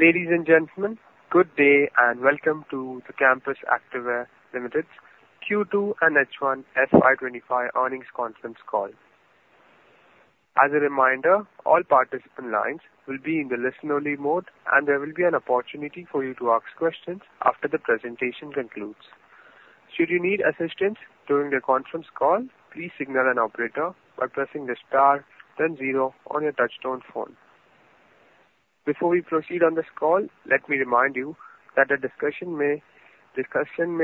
Ladies and gentlemen, good day and welcome to the Campus Activewear Limited Q2 and H1 FY25 earnings conference call. As a reminder, all participant lines will be in the listen-only mode, and there will be an opportunity for you to ask questions after the presentation concludes. Should you need assistance during the conference call, please signal an operator by pressing the star, then zero on your touch-tone phone. Before we proceed on this call, let me remind you that the discussion may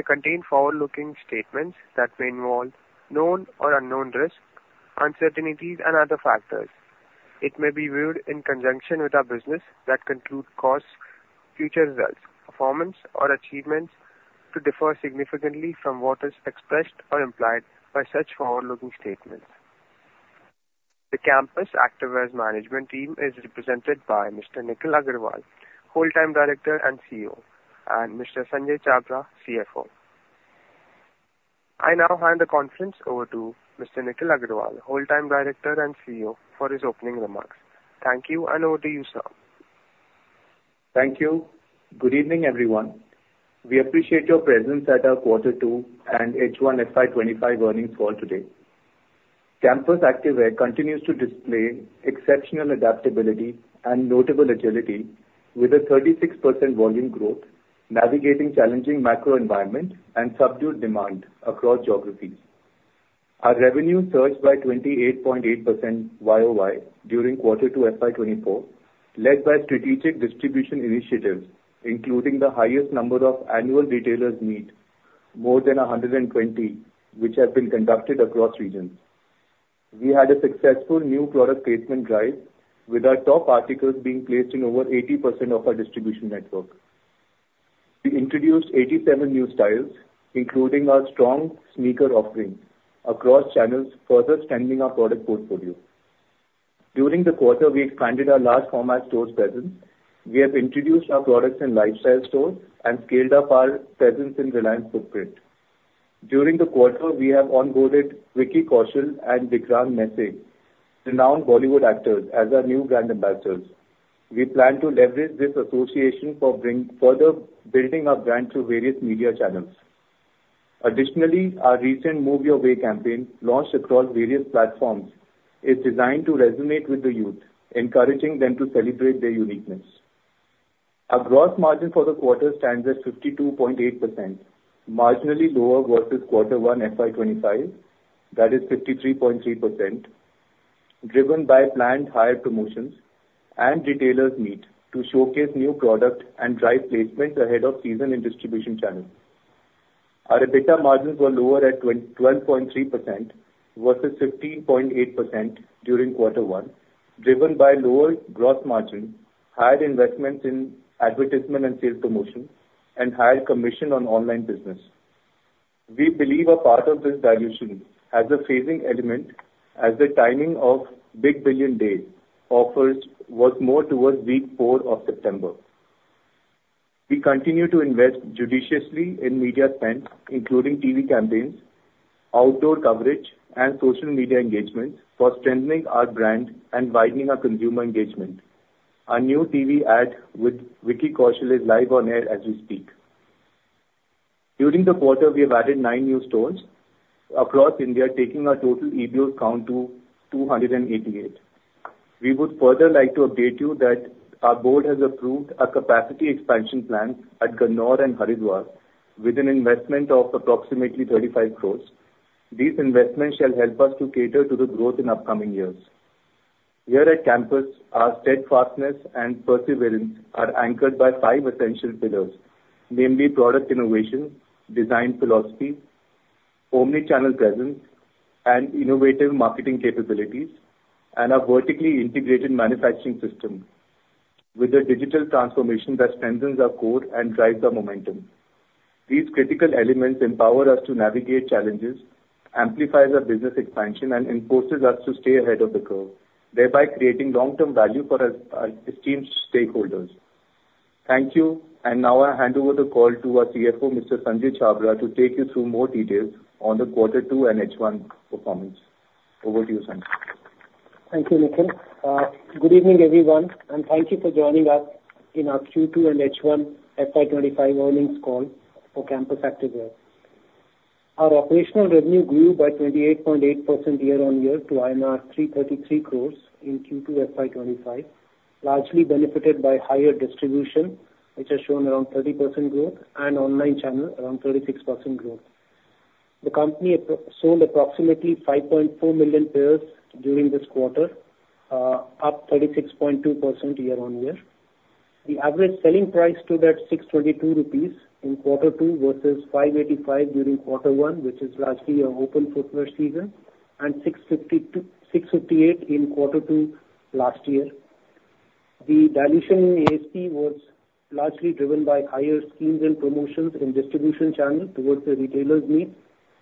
contain forward-looking statements that may involve known or unknown risks, uncertainties, and other factors which could cause actual results, performance, or achievements to differ significantly from what is expressed or implied by such forward-looking statements. Campus Activewear's management team is represented by Mr. Nikhil Aggarwal, Whole-time Director and CEO, and Mr. Sanjay Chhabra, CFO. I now hand the conference over to Mr. Nikhil Aggarwal, Whole-time Director and CEO, for his opening remarks. Thank you, and over to you, sir. Thank you. Good evening, everyone. We appreciate your presence at our Q2 and H1 FY25 earnings call today. Campus Activewear continues to display exceptional adaptability and notable agility with a 36% volume growth, navigating challenging macro environment and subdued demand across geographies. Our revenue surged by 28.8% YOY during Q2 FY24, led by strategic distribution initiatives, including the highest number of annual retailers meet, more than 120, which have been conducted across regions. We had a successful new product placement drive, with our top articles being placed in over 80% of our distribution network. We introduced 87 new styles, including our strong sneaker offering across channels, further strengthening our product portfolio. During the quarter, we expanded our large-format store presence. We have introduced our products in Lifestyle stores and scaled up our presence in Reliance Footprint. During the quarter, we have onboarded Rick Koshel and Vikrant Massey, renowned Bollywood actors, as our new brand ambassadors. We plan to leverage this association for further building our brand through various media channels. Additionally, our recent Move Your Way campaign, launched across various platforms, is designed to resonate with the youth, encouraging them to celebrate their uniqueness. Our gross margin for the quarter stands at 52.8%, marginally lower versus Q1 FY25, that is 53.3%, driven by planned higher promotions and retailers meet to showcase new product and drive placements ahead of season in distribution channels. Our EBITDA margins were lower at 12.3% versus 15.8% during Q1, driven by lower gross margin, higher investments in advertisement and sales promotion, and higher commission on online business. We believe a part of this dilution has a phasing element, as the timing of Big Billion Days offers was more towards week four of September. We continue to invest judiciously in media spend, including TV campaigns, outdoor coverage, and social media engagements for strengthening our brand and widening our consumer engagement. Our new TV ad with Vicky Kaushal is live on air as we speak. During the quarter, we have added nine new stores across India, taking our total EBO count to 288. We would further like to update you that our board has approved a capacity expansion plan at Ganaur and Haridwar with an investment of approximately 35 crores. These investments shall help us to cater to the growth in upcoming years. Here at Campus, our steadfastness and perseverance are anchored by five essential pillars, namely product innovation, design philosophy, omnichannel presence, and innovative marketing capabilities, and our vertically integrated manufacturing system with a digital transformation that strengthens our core and drives our momentum. These critical elements empower us to navigate challenges, amplify our business expansion, and enable us to stay ahead of the curve, thereby creating long-term value for our esteemed stakeholders. Thank you, and now I hand over the call to our CFO, Mr. Sanjay Chhabra, to take you through more details on the Q2 and H1 performance. Over to you, Sanjay. Thank you, Nikhil. Good evening, everyone, and thank you for joining us in our Q2 and H1 FY25 earnings call for Campus Activewear. Our operational revenue grew by 28.8% year-on-year to INR 333 crores in Q2 FY25, largely benefited by higher distribution, which has shown around 30% growth, and online channel around 36% growth. The company sold approximately 5.4 million pairs during this quarter, up 36.2% year-on-year. The average selling price stood at 622 rupees in Q2 versus 585 during Q1, which is largely an open footwear season, and 658 in Q2 last year. The dilution in ASP was largely driven by higher schemes and promotions in distribution channel towards the retailers meet,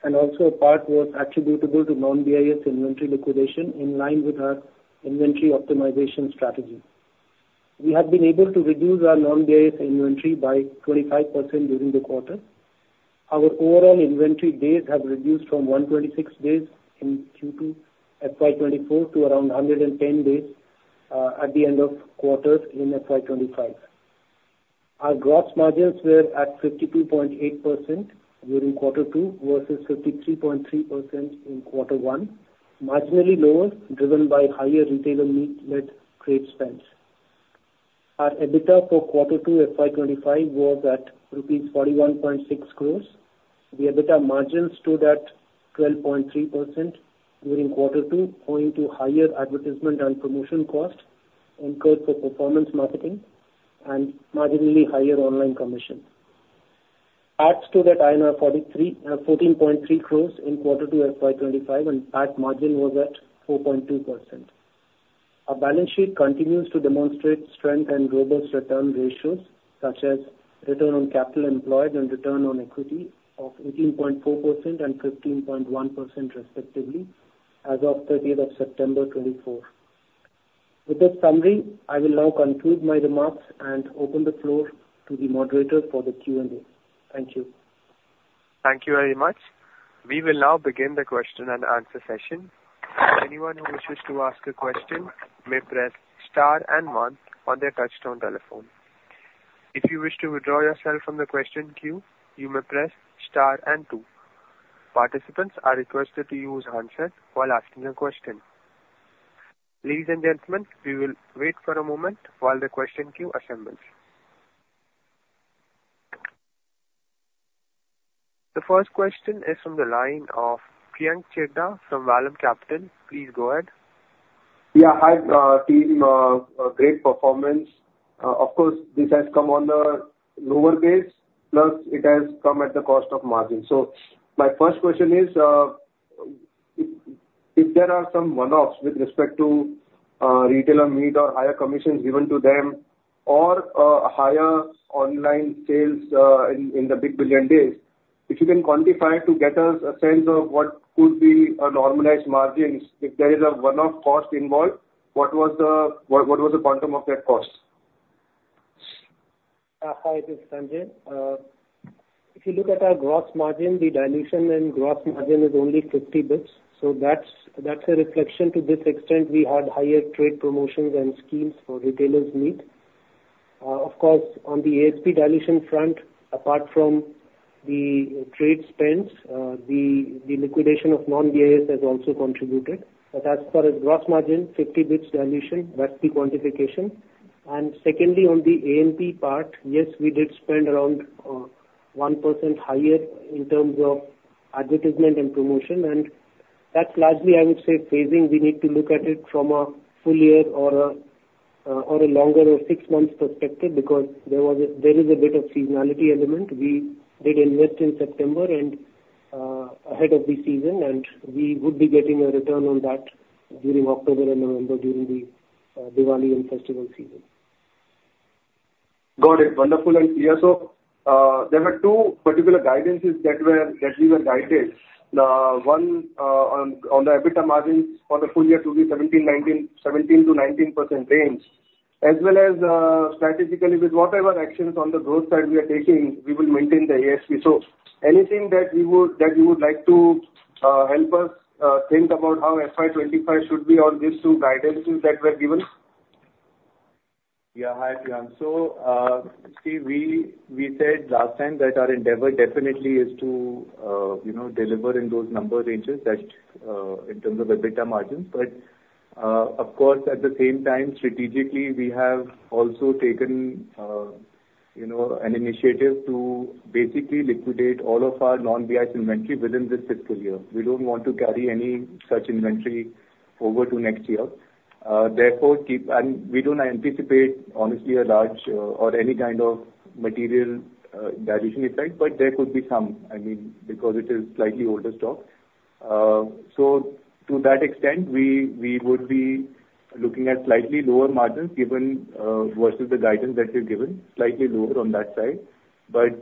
and also a part was attributable to non-BIS inventory liquidation in line with our inventory optimization strategy. We have been able to reduce our non-BIS inventory by 25% during the quarter. Our overall inventory days have reduced from 126 days in Q2 FY24 to around 110 days at the end of quarter in FY25. Our gross margins were at 52.8% during Q2 versus 53.3% in Q1, marginally lower driven by higher retailer meet-led trade spend. Our EBITDA for Q2 FY25 was at rupees 41.6 crores. The EBITDA margin stood at 12.3% during Q2, owing to higher advertisement and promotion costs incurred for performance marketing and marginally higher online commission. Ads stood at INR 14.3 crores in Q2 FY25, and ad margin was at 4.2%. Our balance sheet continues to demonstrate strength and robust return ratios, such as return on capital employed and return on equity of 18.4% and 15.1%, respectively, as of 30 September 2024. With this summary, I will now conclude my remarks and open the floor to the moderator for the Q&A. Thank you. Thank you very much. We will now begin the question and answer session. Anyone who wishes to ask a question may press star and one on their touch-tone telephone. If you wish to withdraw yourself from the question queue, you may press star and two. Participants are requested to use the handset while asking a question. Ladies and gentlemen, we will wait for a moment while the question queue assembles. The first question is from the line of Priyank Chheda from Vallum Capital. Please go ahead. Yeah, hi, team. Great performance. Of course, this has come on the lower base, plus it has come at the cost of margin. So my first question is, if there are some one-offs with respect to retailer meet or higher commissions given to them or higher online sales in the Big Billion Days, if you can quantify to get us a sense of what could be a normalized margin, if there is a one-off cost involved, what was the quantum of that cost? Hi, this is Sanjay. If you look at our gross margin, the dilution in gross margin is only 50 basis points. So that's a reflection to this extent we had higher trade promotions and schemes for retailers meet. Of course, on the ASP dilution front, apart from the trade spends, the liquidation of non-BIS has also contributed. But as far as gross margin, 50 basis points dilution, that's the quantification. And secondly, on the A&P part, yes, we did spend around 1% higher in terms of advertisement and promotion. And that's largely, I would say, phasing. We need to look at it from a full year or a longer or six months perspective because there is a bit of seasonality element. We did invest in September and ahead of the season, and we would be getting a return on that during October and November during the Diwali and festival season. Got it. Wonderful and clear. So there were two particular guidances that we were guided. One on the EBITDA margins for the full year to be 17%-19% range, as well as strategically with whatever actions on the growth side we are taking, we will maintain the ASP. So anything that you would like to help us think about how FY25 should be on these two guidances that were given? Yeah, hi, Priyank. So we said last time that our endeavor definitely is to deliver in those number ranges in terms of EBITDA margins. But of course, at the same time, strategically, we have also taken an initiative to basically liquidate all of our non-BIS inventory within this fiscal year. We don't want to carry any such inventory over to next year. Therefore, we don't anticipate, honestly, a large or any kind of material dilution effect, but there could be some, I mean, because it is slightly older stock. So to that extent, we would be looking at slightly lower margins given versus the guidance that we've given, slightly lower on that side. But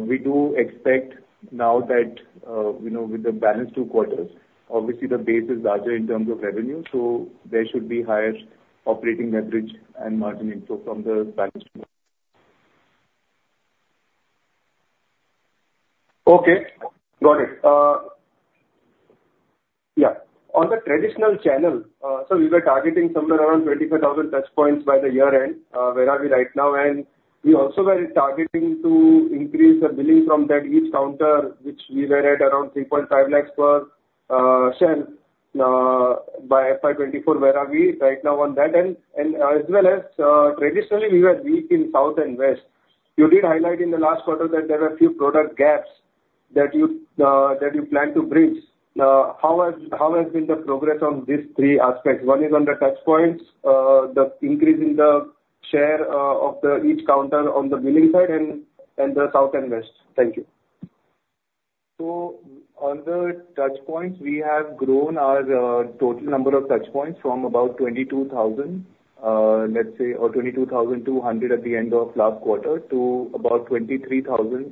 we do expect now that with the balance two quarters, obviously, the base is larger in terms of revenue, so there should be higher operating leverage and margin inflow from the balance two. Okay. Got it. Yeah. On the traditional channel, so we were targeting somewhere around 25,000 touch points by the year-end. Where are we right now? And we also were targeting to increase the billing from that each counter, which we were at around 3.5 lakhs per shell by FY24. Where are we right now on that? And as well as traditionally, we were weak in south and west. You did highlight in the last quarter that there were a few product gaps that you plan to bridge. How has been the progress on these three aspects? One is on the touch points, the increase in the share of each counter on the billing side and the south and west. Thank you. On the touch points, we have grown our total number of touch points from about 22,000, let's say, or 22,200 at the end of last quarter to about 23,000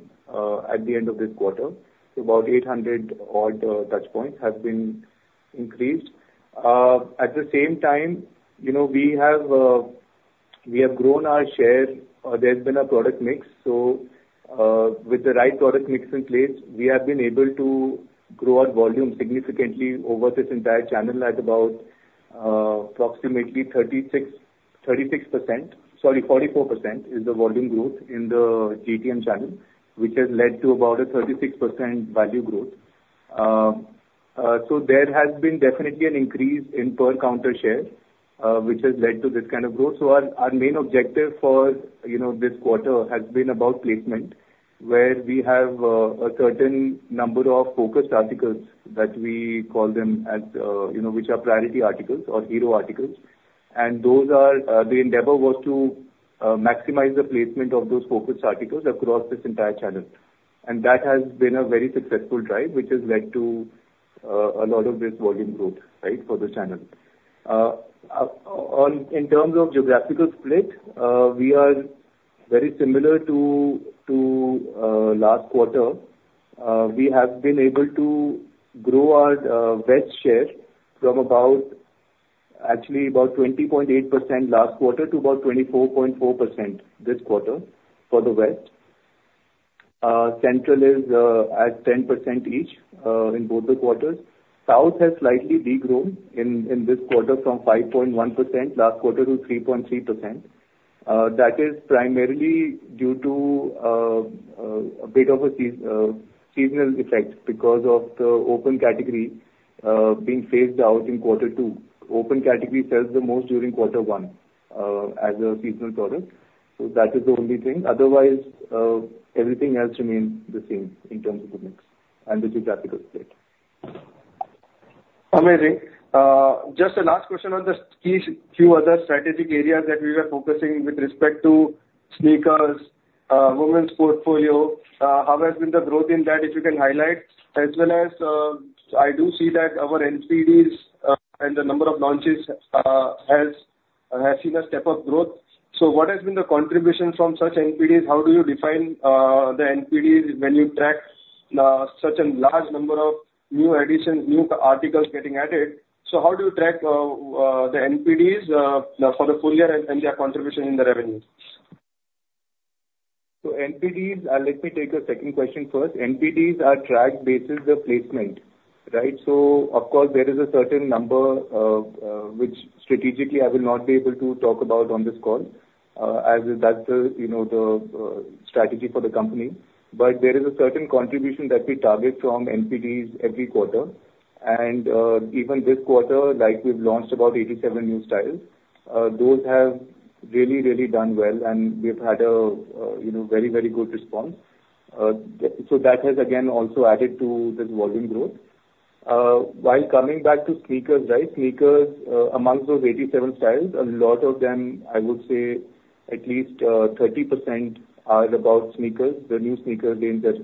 at the end of this quarter. So about 800 odd touch points have been increased. At the same time, we have grown our share. There's been a product mix. So with the right product mix in place, we have been able to grow our volume significantly over this entire channel, at about approximately 36%. Sorry, 44% is the volume growth in the GTM channel, which has led to about a 36% value growth. So there has been definitely an increase in per counter share, which has led to this kind of growth. Our main objective for this quarter has been about placement, where we have a certain number of focused articles that we call them, which are priority articles or hero articles. The endeavor was to maximize the placement of those focused articles across this entire channel. That has been a very successful drive, which has led to a lot of this volume growth, right, for the channel. In terms of geographical split, we are very similar to last quarter. We have been able to grow our West share from actually about 20.8% last quarter to about 24.4% this quarter for the West. Central is at 10% each in both the quarters. South has slightly regrown in this quarter from 5.1% last quarter to 3.3%. That is primarily due to a bit of a seasonal effect because of the open category being phased out in quarter two. Open category sells the most during quarter one as a seasonal product. So that is the only thing. Otherwise, everything else remains the same in terms of the mix and the geographical split. Amazing. Just a last question on the few other strategic areas that we were focusing with respect to sneakers, women's portfolio. How has been the growth in that, if you can highlight? As well as I do see that our NPDs and the number of launches has seen a step-up growth. So what has been the contribution from such NPDs? How do you define the NPDs when you track such a large number of new additions, new articles getting added? So how do you track the NPDs for the full year and their contribution in the revenue? So NPDs, let me take a second question first. NPDs are tracked based on the placement, right? So of course, there is a certain number, which strategically I will not be able to talk about on this call, as that's the strategy for the company. But there is a certain contribution that we target from NPDs every quarter. And even this quarter, we've launched about 87 new styles. Those have really, really done well, and we've had a very, very good response. So that has, again, also added to this volume growth. While coming back to sneakers, right, sneakers, amongst those 87 styles, a lot of them, I would say, at least 30% are about sneakers, the new sneakers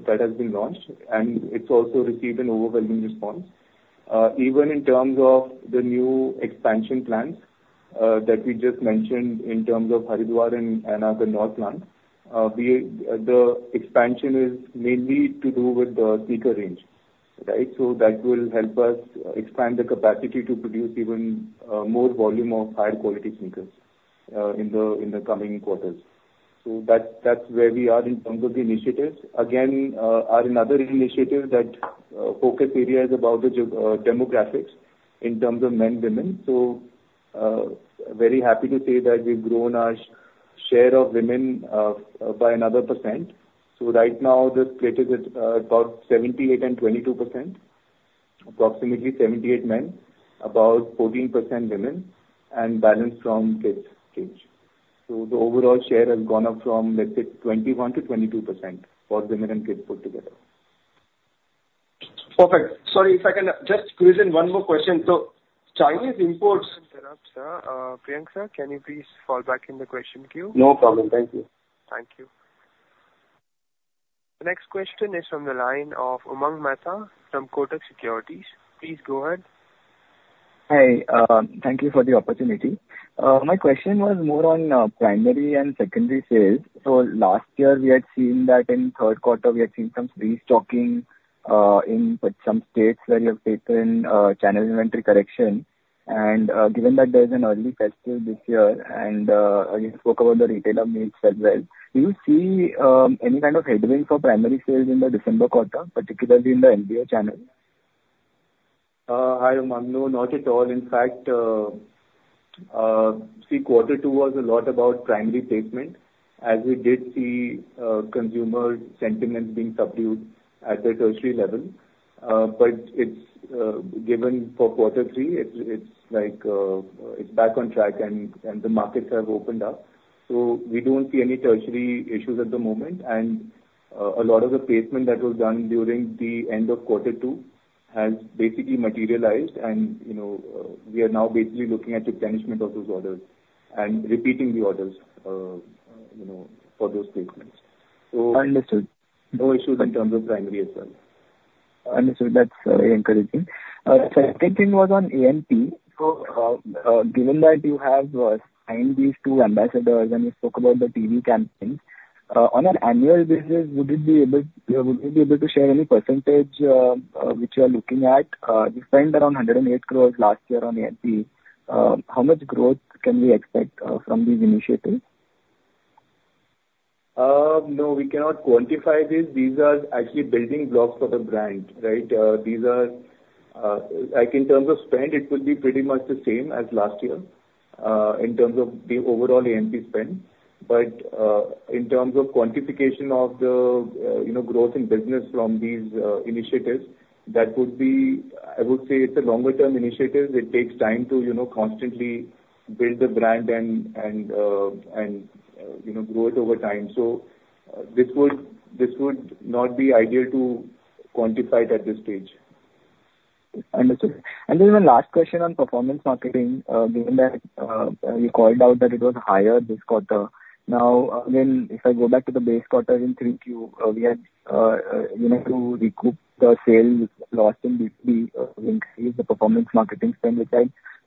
that have been launched. And it's also received an overwhelming response. Even in terms of the new expansion plans that we just mentioned in terms of Haridwar and Ganaur, the expansion is mainly to do with the sneaker range, right? So that will help us expand the capacity to produce even more volume of higher quality sneakers in the coming quarters. So that's where we are in terms of the initiatives. Again, our another initiative that focus area is about the demographics in terms of men and women. So very happy to say that we've grown our share of women by another %. So right now, the split is about 78% and 22%, approximately 78% men, about 14% women, and balanced from kids' age. So the overall share has gone up from, let's say, 21% to 22% for women and kids put together. Perfect. Sorry, if I can just squeeze in one more question. So Chinese imports. Priyank sir, can you please fall back in the question queue? No problem. Thank you. Thank you. The next question is from the line of Umang Mehta from Kotak Securities. Please go ahead. Hi. Thank you for the opportunity. My question was more on primary and secondary sales. So last year, we had seen that in third quarter, we had seen some restocking in some states where you have taken channel inventory correction. And given that there's an early festival this year, and you spoke about the retailer meets as well, do you see any kind of headwind for primary sales in the December quarter, particularly in the MBO channel? I have not noticed at all. In fact, see, quarter two was a lot about primary placement, as we did see consumer sentiments being subdued at the tertiary level. But given for quarter three, it's back on track, and the markets have opened up. So we don't see any tertiary issues at the moment. And a lot of the placement that was done during the end of quarter two has basically materialized. And we are now basically looking at the replenishment of those orders and repeating the orders for those placements. So. Understood. No issues in terms of primary as well. Understood. That's very encouraging. The second thing was on A&P. So given that you have signed these two ambassadors and you spoke about the TV campaign, on an annual basis, would you be able to share any percentage which you are looking at? You spent around 108 crores last year on A&P. How much growth can we expect from these initiatives? No, we cannot quantify this. These are actually building blocks for the brand, right? In terms of spend, it could be pretty much the same as last year in terms of the overall A&P spend. But in terms of quantification of the growth in business from these initiatives, that would be, I would say, it's a longer-term initiative. It takes time to constantly build the brand and grow it over time. So this would not be ideal to quantify it at this stage. Understood. And then one last question on performance marketing. Given that you called out that it was higher this quarter, now, again, if I go back to the base quarter in Q3, we had to recoup the sales lost in B2B, increase the performance marketing spend, which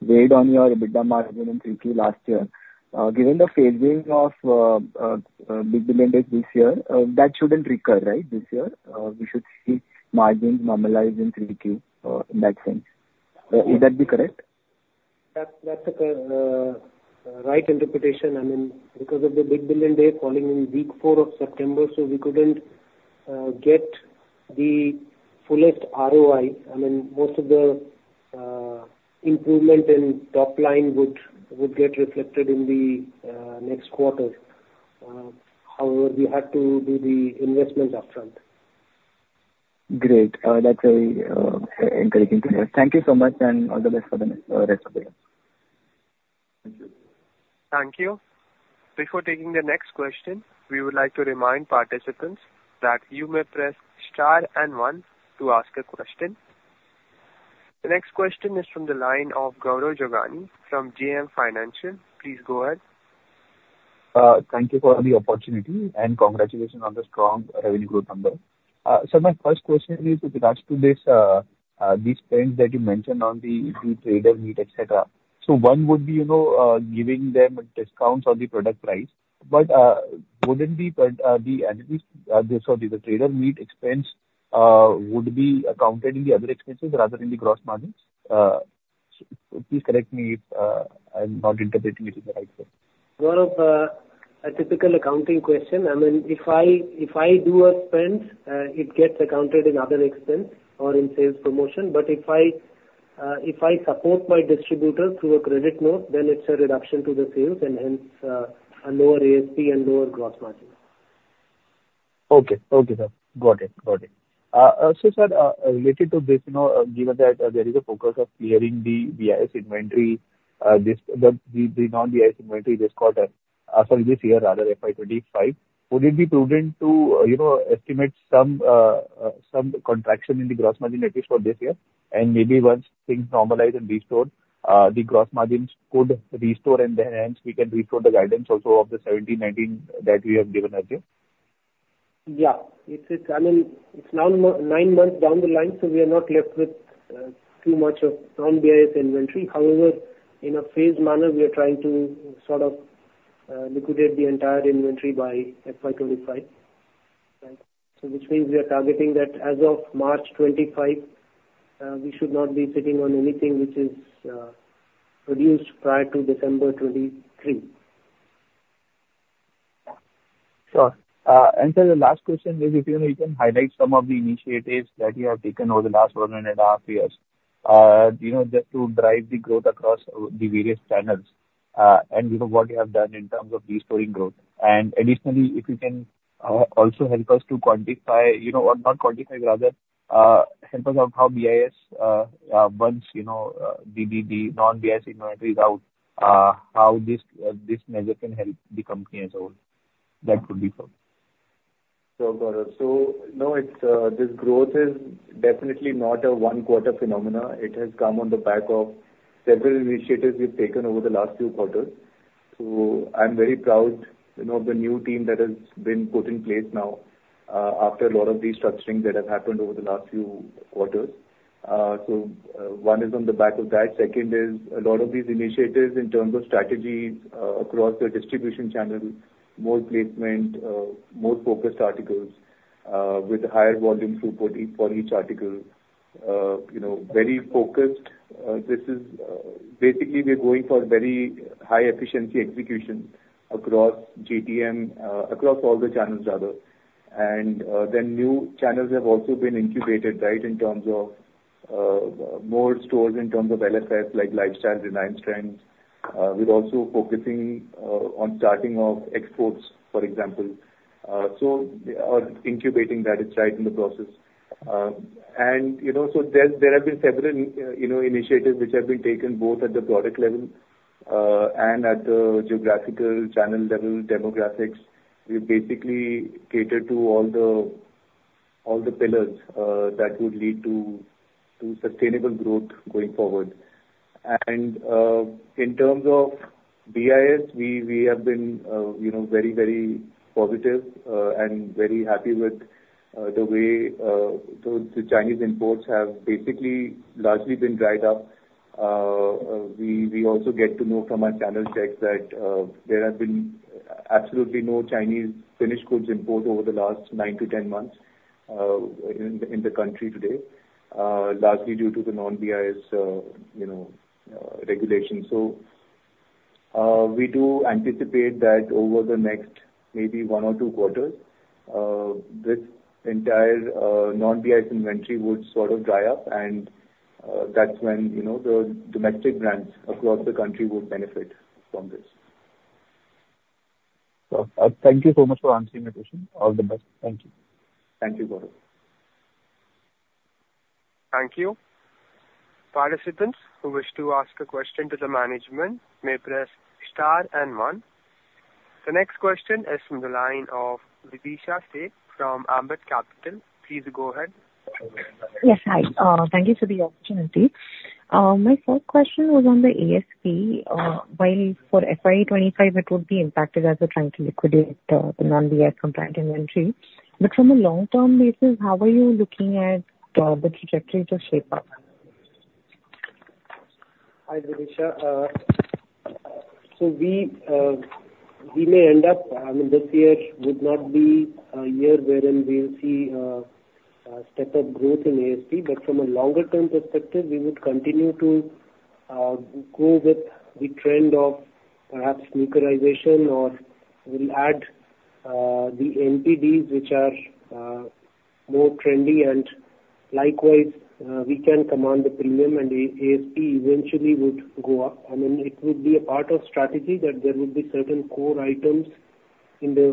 weighed on your EBITDA margin in Q3 last year. Given the phasing of Big Billion Days this year, that shouldn't recur, right, this year? We should see margins normalize in Q3 in that sense. Would that be correct? That's the right interpretation. I mean, because of the Big Billion Days falling in week four of September, so we couldn't get the fullest ROI. I mean, most of the improvement in top line would get reflected in the next quarter. However, we had to do the investments upfront. Great. That's very encouraging to hear. Thank you so much, and all the best for the rest of the year. Thank you. Thank you. Before taking the next question, we would like to remind participants that you may press star and one to ask a question. The next question is from the line of Gaurav Jogani from JM Financial. Please go ahead. Thank you for the opportunity and congratulations on the strong revenue growth number. So my first question is with regards to these spends that you mentioned on the trade meet, etc. So one would be giving them discounts on the product price. But wouldn't the trade meet expense would be accounted in the other expenses rather than the gross margins? Please correct me if I'm not interpreting it in the right way. Sort of a typical accounting question. I mean, if I do a spend, it gets accounted in other expense or in sales promotion. But if I support my distributor through a credit note, then it's a reduction to the sales and hence a lower ASP and lower gross margin. Okay. Okay, sir. Got it. Got it. Also, sir, related to this, given that there is a focus of clearing the BIS inventory, the non-BIS inventory this quarter, sorry, this year rather, FY25, would it be prudent to estimate some contraction in the gross margin at least for this year? And maybe once things normalize and restore, the gross margins could restore, and hence we can restore the guidance also of the 17%-19% that we have given earlier? Yeah. I mean, it's now nine months down the line, so we are not left with too much of non-BIS inventory. However, in a phased manner, we are trying to sort of liquidate the entire inventory by FY25. So which means we are targeting that as of March 2025, we should not be sitting on anything which is produced prior to December 2023. Sure. And then the last question is if you can highlight some of the initiatives that you have taken over the last one and a half years just to drive the growth across the various channels and what you have done in terms of restoring growth. And additionally, if you can also help us to quantify or not quantify, rather, help us out how BIS, once the Non-BIS inventory is out, how this measure can help the company as a whole. That would be fine. Sure, Gaurav. This growth is definitely not a one-quarter phenomenon. It has come on the back of several initiatives we've taken over the last few quarters. I'm very proud of the new team that has been put in place now after a lot of these structurings that have happened over the last few quarters. One is on the back of that. Second is a lot of these initiatives in terms of strategies across the distribution channel, more placement, more focused articles with a higher volume throughput for each article. Very focused. Basically, we're going for very high-efficiency execution across GTM, across all the channels, rather. New channels have also been incubated, right, in terms of more stores in terms of LFS like Lifestyle, Reliance Trends. We're also focusing on starting off exports, for example. Incubating that is right in the process. There have been several initiatives which have been taken both at the product level and at the geographical channel level demographics. We basically cater to all the pillars that would lead to sustainable growth going forward. In terms of BIS, we have been very, very positive and very happy with the way the Chinese imports have basically largely been dried up. We also get to know from our channel checks that there have been absolutely no Chinese finished goods import over the last nine to 10 months in the country today, largely due to the non-BIS regulation. We do anticipate that over the next maybe one or two quarters, this entire non-BIS inventory would sort of dry up, and that's when the domestic brands across the country would benefit from this. Sure. Thank you so much for answering my question. All the best. Thank you. Thank you, Gaurav. Thank you. Participants who wish to ask a question to the management may press star and one. The next question is from the line of Videesha Sheth from Ambit Capital. Please go ahead. Yes, hi. Thank you for the opportunity. My first question was on the ASP. While for FY25, it would be impacted as we're trying to liquidate the non-BIS compliant inventory. But from a long-term basis, how are you looking at the trajectory to shape up? Hi, Vidisha. So we may end up, I mean, this year would not be a year wherein we'll see a step-up growth in ASP. But from a longer-term perspective, we would continue to go with the trend of perhaps sneakerization or we'll add the NPDs, which are more trendy, and likewise, we can command the premium, and the ASP eventually would go up. I mean, it would be a part of strategy that there would be certain core items in the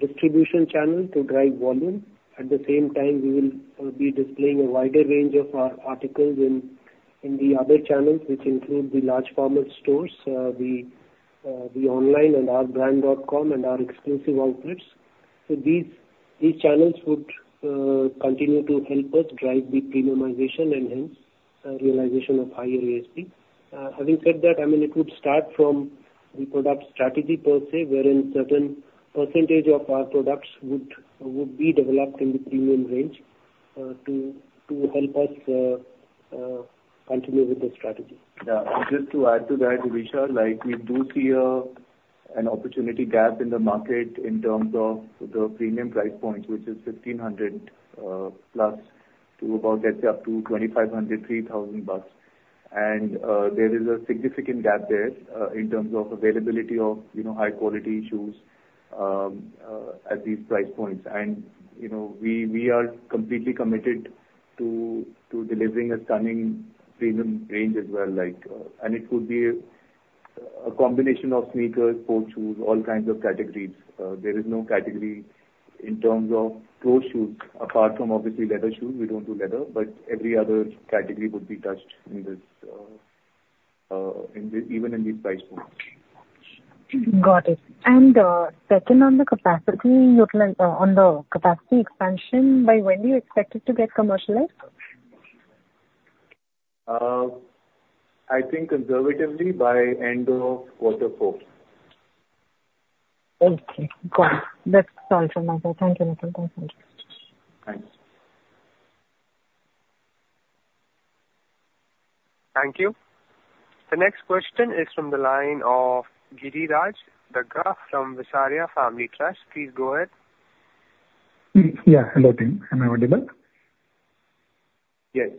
distribution channel to drive volume. At the same time, we will be displaying a wider range of our articles in the other channels, which include the large-format stores, the online and our brand.com and our exclusive outlets. So these channels would continue to help us drive the premiumization and hence realization of higher ASP. Having said that, I mean, it would start from the product strategy per se, wherein certain percentage of our products would be developed in the premium range to help us continue with the strategy. Yeah. Just to add to that, Vidisha, we do see an opportunity gap in the market in terms of the premium price point, which is 1,500 plus to about, let's say, up to 2,500-3,000 bucks. And there is a significant gap there in terms of availability of high-quality shoes at these price points. And we are completely committed to delivering a stunning premium range as well. And it would be a combination of sneakers, sports shoes, all kinds of categories. There is no category in terms of closed shoes apart from, obviously, leather shoes. We don't do leather, but every other category would be touched in this, even in these price points. Got it. And second on the capacity expansion, by when do you expect it to get commercialized? I think conservatively by end of quarter four. Okay. Got it. That's all from my side. Thank you, Nikhil. Thanks. Thanks. Thank you. The next question is from the line of Giriraj Daga from Visaria Family Trust. Please go ahead. Yeah. Hello, team. Am I audible? Yes.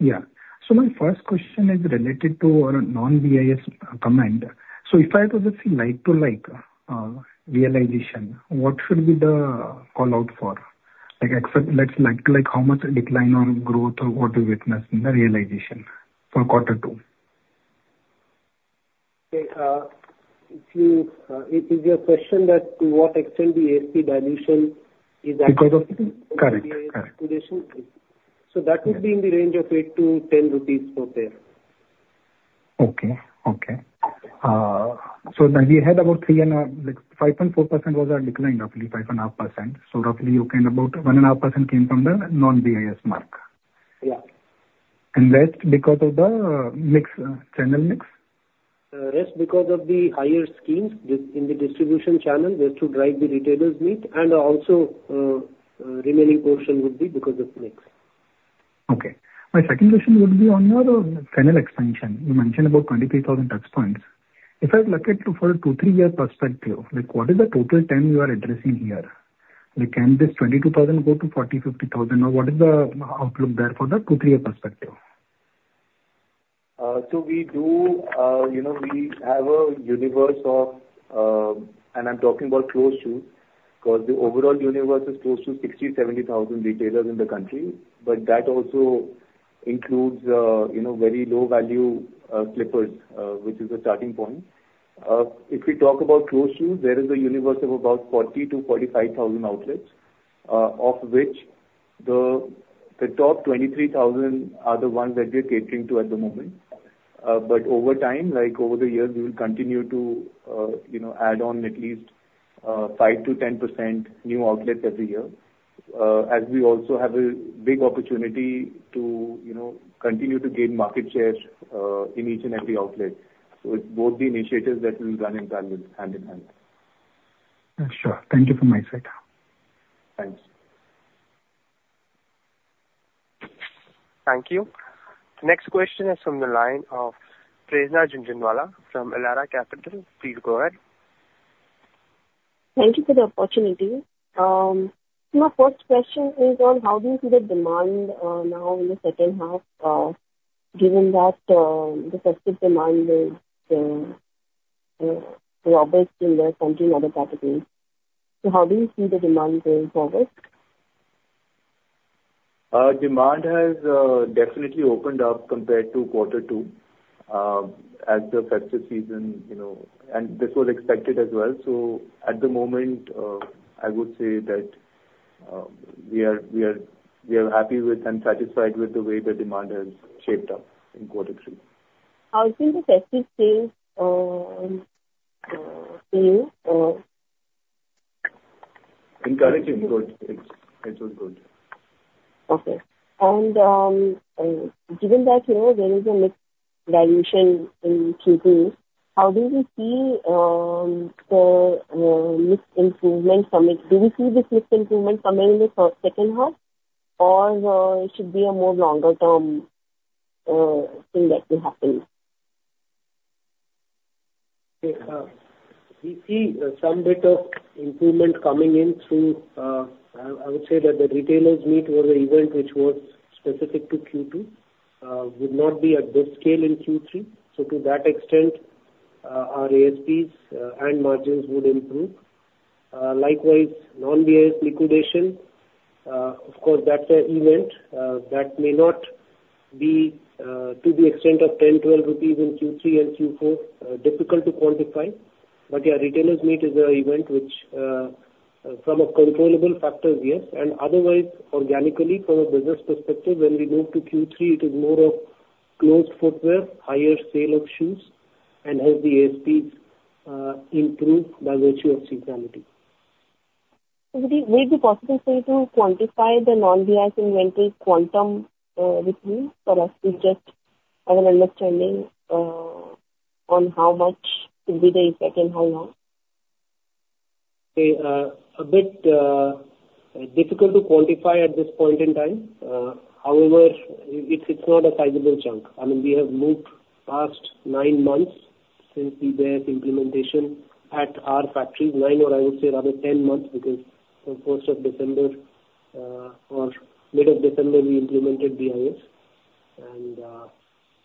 Yeah. So my first question is related to our non-BIS component. So if I was to see like-for-like realization, what should be the call-out for? Like-for-like, how much decline in growth or what do you witness in the realization for quarter two? Okay. Is your question that to what extent the ASP dilution is at? Because of. Correct. So that would be in the range of 8-10 rupees per pair. Okay. So we had about 3.5, 5.4% was our decline, roughly 5.5%. So roughly, okay, about 1.5% came from the non-BIS markup. Yeah. And rest because of the mixed channel mix? Rest because of the higher schemes in the distribution channel just to drive the retailers' need. And also, remaining portion would be because of mix. Okay. My second question would be on your channel expansion. You mentioned about 23,000 touch points. If I look at for a two-to-three-year perspective, what is the total term you are addressing here? Can this 22,000 go to 40,000, 50,000? Or what is the outlook there for the two-to-three-year perspective? So we have a universe of, and I'm talking about closed shoes because the overall universe is close to 60,000, 70,000 retailers in the country. But that also includes very low-value slippers, which is the starting point. If we talk about closed shoes, there is a universe of about 40,000-45,000 outlets, of which the top 23,000 are the ones that we are catering to at the moment. But over time, over the years, we will continue to add on at least 5%-10% new outlets every year as we also have a big opportunity to continue to gain market share in each and every outlet. So it's both the initiatives that we will run hand in hand. Sure. Thank you from my side. Thanks. Thank you. The next question is from the line of Prerna Jhunjhunwala from Elara Capital. Please go ahead. Thank you for the opportunity. My first question is on how do you see the demand now in the second half, given that the festive demand is the obvious in the country and other categories? So how do you see the demand going forward? Demand has definitely opened up compared to quarter two as the festive season, and this was expected as well. So at the moment, I would say that we are happy with and satisfied with the way the demand has shaped up in quarter three. How's been the festive sales for you? Encouraging. Good. It was good. Okay. And given that there is a mixed dilution in Q2, how do you see the mixed improvement coming? Do we see this mixed improvement coming in the second half, or it should be a more longer-term thing that will happen? We see some bit of improvement coming in through, I would say, that the retailers meet for the event, which was specific to Q2, would not be at this scale in Q3. So to that extent, our ASPs and margins would improve. Likewise, non-BIS liquidation, of course, that's an event that may not be to the extent of 10-12 rupees in Q3 and Q4, difficult to quantify. But yeah, retailers meet is an event which, from a controllable factor, yes. And otherwise, organically, from a business perspective, when we move to Q3, it is more of closed footwear, higher sale of shoes, and has the ASPs improved by virtue of seasonality. Would it be possible for you to quantify the non-BIS inventory quantum with me? For us to just have an understanding on how much would be the effect and how long? Okay. A bit difficult to quantify at this point in time. However, it's not a sizable chunk. I mean, we have moved past nine months since the BIS implementation at our factories. Nine or, I would say, rather 10 months because from 1st of December or mid of December, we implemented BIS, and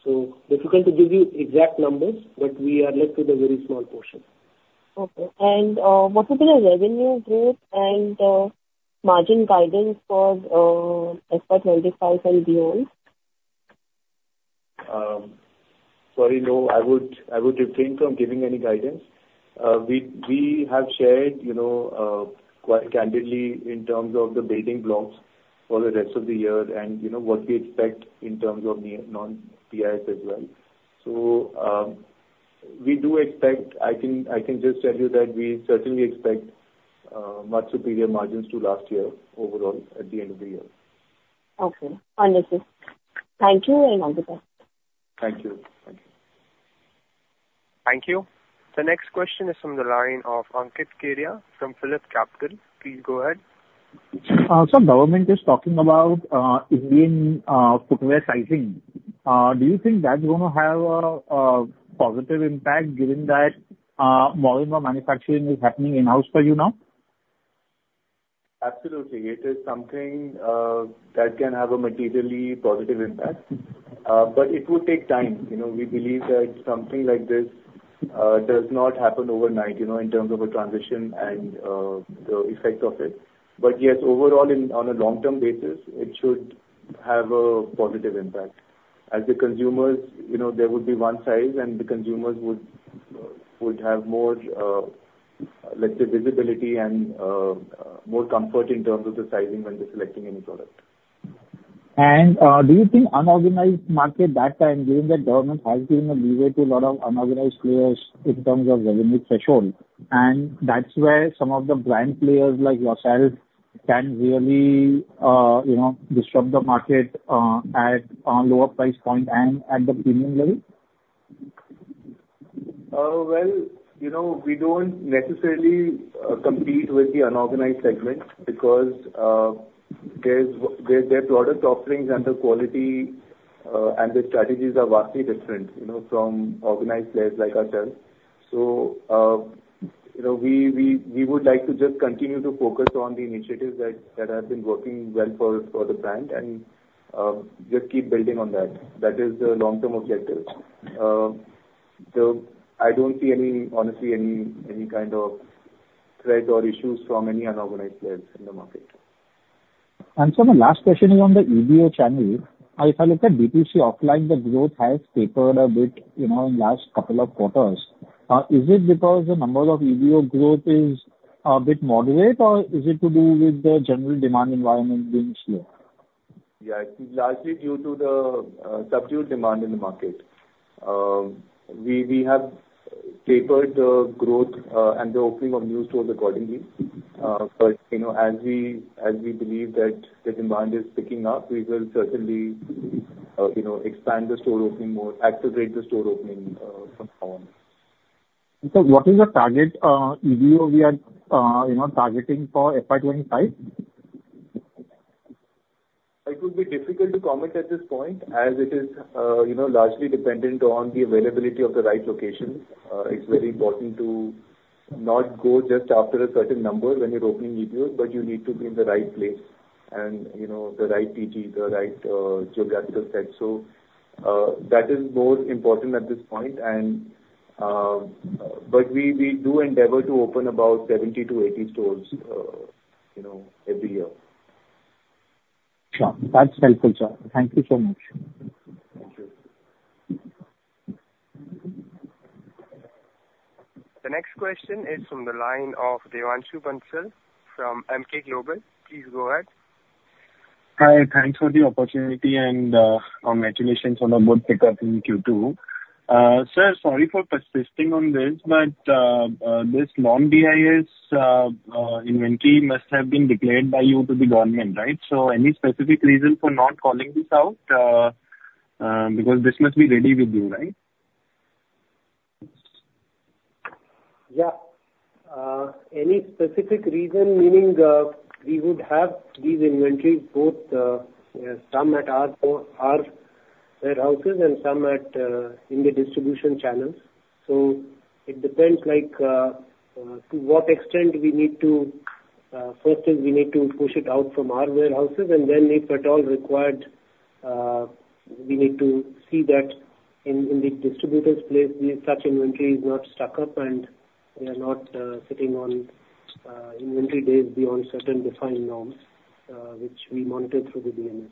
so difficult to give you exact numbers, but we are left with a very small portion. Okay. And what would be the revenue growth and margin guidance for FY25 and beyond? Sorry, no. I would refrain from giving any guidance. We have shared quite candidly in terms of the building blocks for the rest of the year and what we expect in terms of Non-BIS as well, so we do expect, I can just tell you that we certainly expect much superior margins to last year overall at the end of the year. Okay. Understood. Thank you and all the best. Thank you. Thank you. Thank you. The next question is from the line of Ankit Kedia from PhillipCapital. Please go ahead. So the government is talking about Indian footwear sizing. Do you think that's going to have a positive impact given that more and more manufacturing is happening in-house for you now? Absolutely. It is something that can have a materially positive impact. But it would take time. We believe that something like this does not happen overnight in terms of a transition and the effect of it. But yes, overall, on a long-term basis, it should have a positive impact. As the consumers, there would be one size, and the consumers would have more, let's say, visibility and more comfort in terms of the sizing when they're selecting any product. Do you think unorganized market that time, given that government has given a leeway to a lot of unorganized players in terms of revenue threshold? And that's where some of the brand players like yourself can really disrupt the market at a lower price point and at the premium level? We don't necessarily compete with the unorganized segment because their product offerings and the quality and the strategies are vastly different from organized players like ourselves. So we would like to just continue to focus on the initiatives that have been working well for the brand and just keep building on that. That is the long-term objective. So I don't see any, honestly, any kind of threat or issues from any unorganized players in the market. And so my last question is on the EBO channel. If I look at B2C offline, the growth has tapered a bit in the last couple of quarters. Is it because the number of EBO growth is a bit moderate, or is it to do with the general demand environment being slow? Yeah. It's largely due to the subdued demand in the market. We have tapered the growth and the opening of new stores accordingly. But as we believe that the demand is picking up, we will certainly expand the store opening more, accelerate the store opening from now on. So, what is your target EBO? We are targeting for FY25? It would be difficult to comment at this point as it is largely dependent on the availability of the right location. It's very important to not go just after a certain number when you're opening EBO, but you need to be in the right place and the right TG, the right geographical set. So that is more important at this point. But we do endeavor to open about 70-80 stores every year. Sure. That's helpful, sir. Thank you so much. Thank you. The next question is from the line of Devanshu Bansal from Emkay Global Financial Services. Please go ahead. Hi. Thanks for the opportunity and congratulations on the boot kick-off in Q2. Sir, sorry for persisting on this, but this non-BIS inventory must have been declared by you to the government, right? So any specific reason for not calling this out? Because this must be ready with you, right? Yeah. Any specific reason, meaning we would have these inventories both some at our warehouses and some in the distribution channels? So it depends to what extent we need to first, we need to push it out from our warehouses. And then, if at all required, we need to see that in the distributor's place, such inventory is not stuck up and they are not sitting on inventory days beyond certain defined norms, which we monitor through the DMS.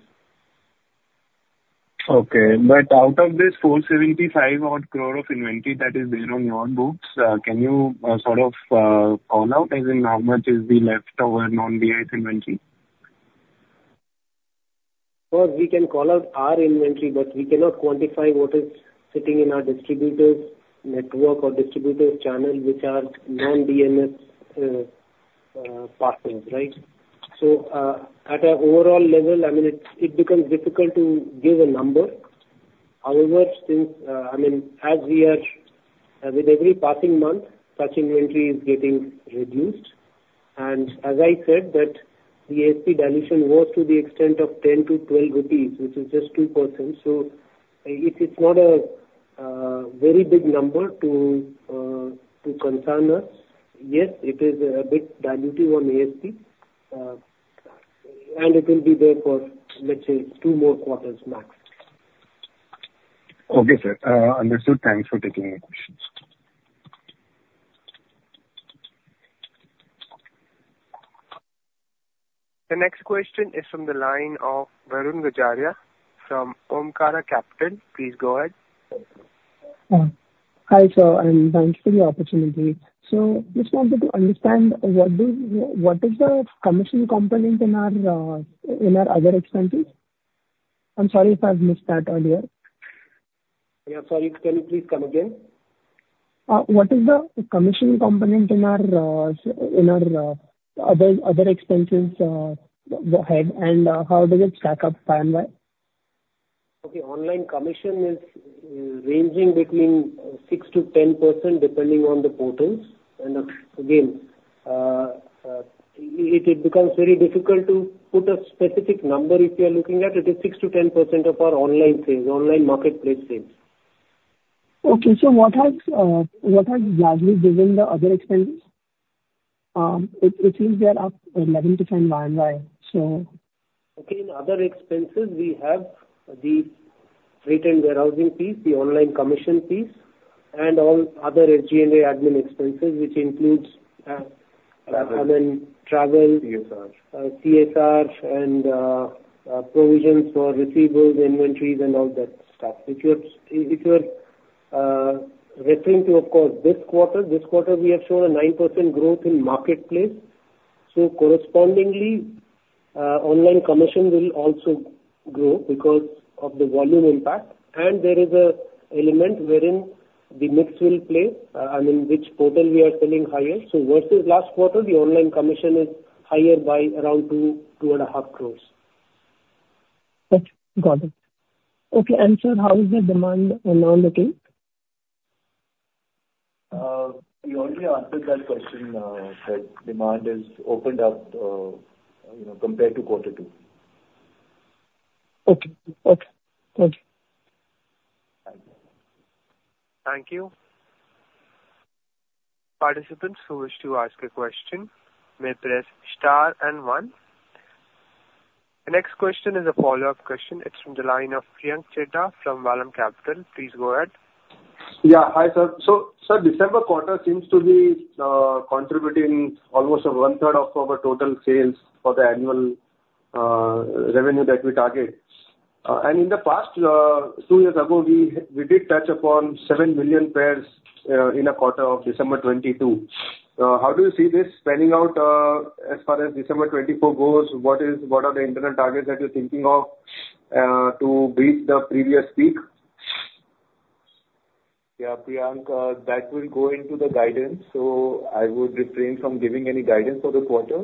Okay. But out of this 475-odd crore of inventory that is there on your books, can you sort of call out, as in how much is the leftover Non-BIS inventory? We can call out our inventory, but we cannot quantify what is sitting in our distributor's network or distributor's channel, which are non-BIS partners, right? So at an overall level, I mean, it becomes difficult to give a number. However, since I mean, as we are with every passing month, such inventory is getting reduced. And as I said, that the ASP dilution was to the extent of 10-12 rupees, which is just 2%. So it's not a very big number to concern us. Yes, it is a bit diluted on ASP, and it will be there for, let's say, two more quarters max. Okay, sir. Understood. Thanks for taking my questions. The next question is from the line of Varun Vakharia from Omkara Capital. Please go ahead. Hi, sir, and thanks for the opportunity, so just wanted to understand what is the commissioning component in our other expenses? I'm sorry if I've missed that earlier. Yeah. Sorry. Can you please come again? What is the commissioning component in our other expenses ahead, and how does it stack up, by and while? Okay. Online commission is ranging between six to 10% depending on the portals. And again, it becomes very difficult to put a specific number if you're looking at it. It is six to 10% of our online sales, online marketplace sales. Okay, so what has largely driven the other expenses? It seems they are up 11% to 10% YoY and while so. Okay. In other expenses, we have the freight and warehousing fees, the online commission fees, and all other SG&A admin expenses, which includes travel. CSR. CSR and provisions for receivables, inventories, and all that stuff. If you're referring to, of course, this quarter, this quarter, we have shown a 9% growth in marketplace. So correspondingly, online commission will also grow because of the volume impact. And there is an element wherein the mix will play, I mean, which portal we are selling higher. So versus last quarter, the online commission is higher by around 2.5 crores. Got it. Okay. And sir, how is the demand now looking? You already answered that question, that demand has opened up compared to quarter two. Okay. Okay. Thank you. Thank you. Participants who wish to ask a question may press star and one. The next question is a follow-up question. It's from the line of Priyank Chheda from Vallum Capital. Please go ahead. Yeah. Hi, sir. So sir, December quarter seems to be contributing almost one-third of our total sales for the annual revenue that we target. And in the past, two years ago, we did touch upon seven million pairs in a quarter of December 2022. How do you see this spanning out as far as December 2024 goes? What are the internal targets that you're thinking of to beat the previous peak? Yeah. Priyank, that will go into the guidance. So I would refrain from giving any guidance for the quarter.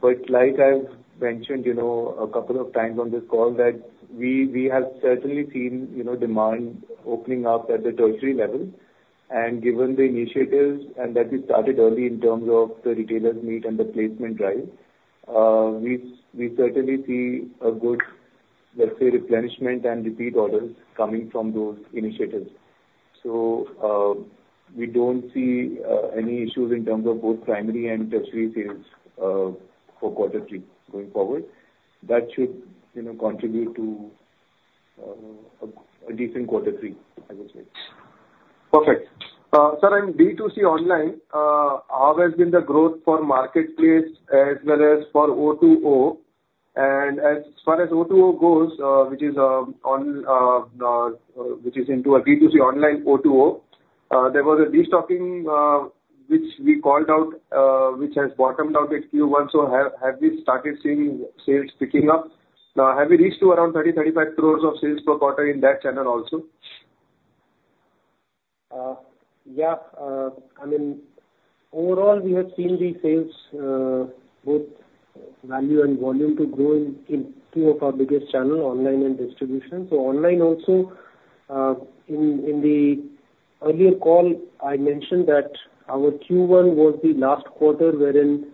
But like I've mentioned a couple of times on this call, that we have certainly seen demand opening up at the tertiary level. And given the initiatives and that we started early in terms of the retailers meet and the placement drive, we certainly see a good, let's say, replenishment and repeat orders coming from those initiatives. So we don't see any issues in terms of both primary and tertiary sales for quarter three going forward. That should contribute to a decent quarter three, I would say. Perfect. Sir, in B2C online, how has been the growth for marketplace as well as for O2O? And as far as O2O goes, which is into a B2C online O2O, there was a restocking which we called out, which has bottomed out at Q1. So have we started seeing sales picking up? Now, have we reached around 30-35 crores of sales per quarter in that channel also? Yeah. I mean, overall, we have seen the sales, both value and volume, to grow in two of our biggest channels, online and distribution. So online also, in the earlier call, I mentioned that our Q1 was the last quarter wherein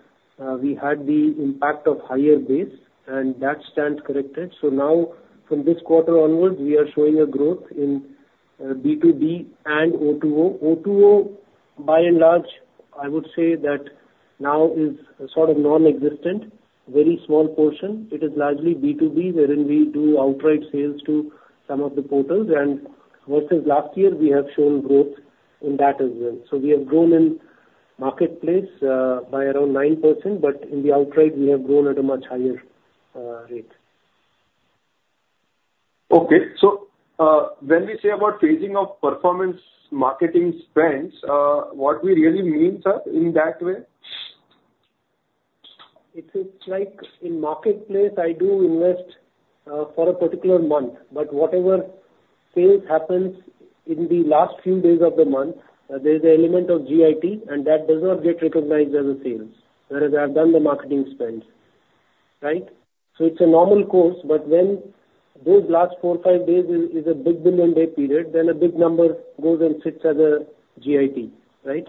we had the impact of higher base, and that stands corrected. So now, from this quarter onwards, we are showing a growth in B2B and O2O. O2O, by and large, I would say that now is sort of nonexistent, very small portion. It is largely B2B wherein we do outright sales to some of the portals. And versus last year, we have shown growth in that as well. So we have grown in marketplace by around 9%, but in the outright, we have grown at a much higher rate. Okay. So when we say about phasing of performance marketing spends, what we really mean, sir, in that way? It's like in marketplace, I do invest for a particular month. But whatever sales happens in the last few days of the month, there's an element of GIT, and that does not get recognized as a sale, whereas I've done the marketing spend, right? So it's a normal course. But when those last four, five days is a Big Billion Days period, then a big number goes and sits as a GIT, right?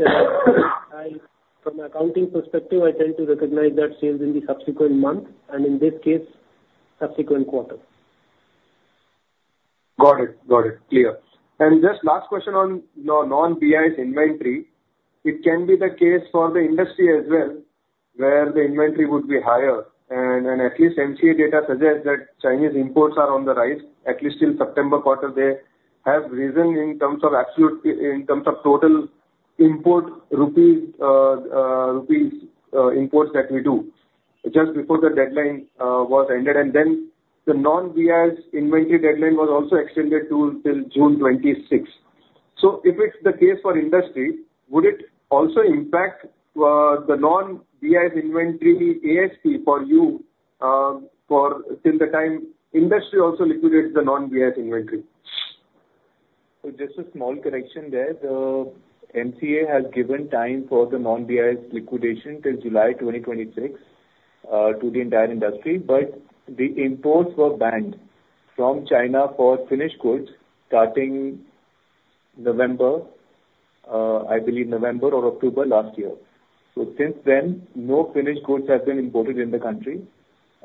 And from an accounting perspective, I tend to recognize that sales in the subsequent month and, in this case, subsequent quarter. Got it. Got it. Clear. And just last question on non-BIS inventory. It can be the case for the industry as well where the inventory would be higher. And at least MCA data suggests that Chinese imports are on the rise, at least till September quarter. They have risen in terms of absolute in terms of total imports that we do just before the deadline was ended. And then the non-BIS inventory deadline was also extended till June 26. So if it's the case for industry, would it also impact the non-BIS inventory ASP for you till the time industry also liquidates the non-BIS inventory? So just a small correction there. The MCA has given time for the non-BIS liquidation till July 2026 to the entire industry. But the imports were banned from China for finished goods starting November, I believe, November or October last year. So since then, no finished goods have been imported in the country.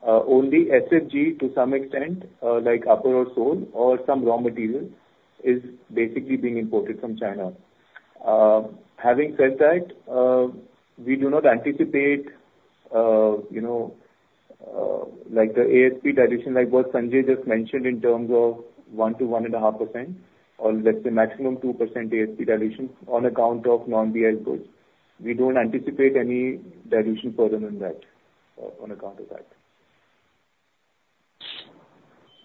Only SFG, to some extent, like upper or sole or some raw material is basically being imported from China. Having said that, we do not anticipate the ASP dilution, like what Sanjay just mentioned, in terms of 1% to 1.5% or, let's say, maximum 2% ASP dilution on account of non-BIS goods. We don't anticipate any dilution further than that on account of that.